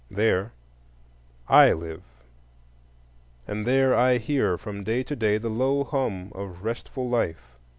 There I live, and there I hear from day to day the low hum of restful life.